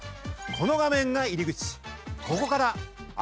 この画面が入り口。